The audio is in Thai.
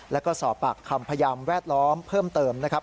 แล้วก็สอบปากคำพยานแวดล้อมเพิ่มเติมนะครับ